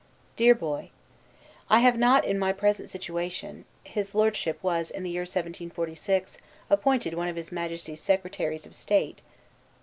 DEAR BOY: I have not, in my present situation, [His Lordship was, in the year 1746, appointed one of his Majesty's secretaries of state.